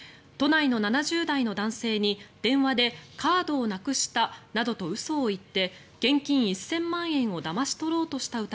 都内の７０代の男性に電話でカードをなくしたなどと嘘を言って、現金１０００万円をだまし取ろうとした